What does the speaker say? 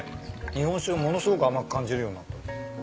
日本酒をものすごく甘く感じるようになった。